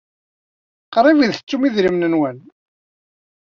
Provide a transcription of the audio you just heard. Qrib ay tettum idrimen-nwen.